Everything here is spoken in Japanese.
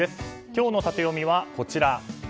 今日のタテヨミはこちら。